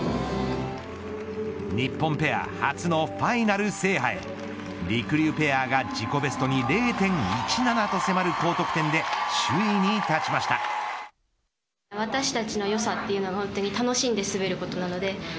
日本ペア初のファイナル制覇へりくりゅうペアが自己ベストに０．１７に迫る高得点で首位に立ちました。